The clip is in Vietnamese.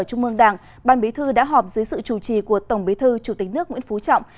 tổng bí thư đã họp dưới sự chủ trì của tổng bí thư chủ tịch nước nguyễn phú trọng